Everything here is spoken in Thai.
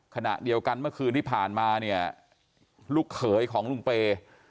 ขณะเดียวกันเมื่อคืนที่ผ่านมาเนี่ยลูกเขยของลุงเปย์